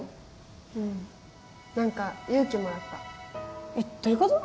うん何か勇気もらったえっどういうこと？